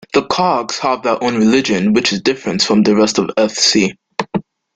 The Kargs have their own religion which is different from the rest of Earthsea.